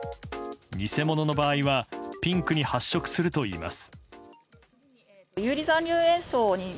偽物の場合はピンクに発色するといいます。